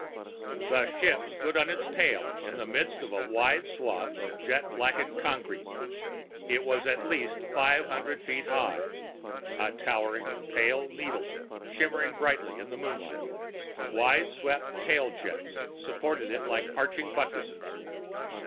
The ship stood on its tail in the midst of a wide, flat swath of jet blackened concrete. It was at least five hundred feet high, a towering pale needle shimmering brightly in the moonlight. Wideswept tailjets supported it like arching buttresses.